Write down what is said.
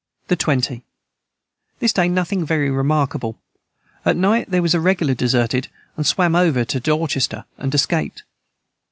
the 20. This day nothing very remarkable at night their was a regular deserted and Swam over to Dorchester and escaped.